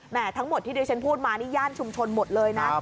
แหม่ทั้งหมดที่เดี๋ยวฉันพูดมาเนี่ยย่านชุมชนหมดเลยนะ